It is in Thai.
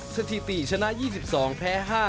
สถิติชนะ๒๒แพ้๕